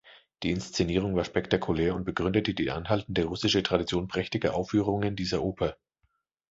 Die Inszenierung war spektakulär und begründete die anhaltende russische Tradition prächtiger Aufführungen dieser Oper.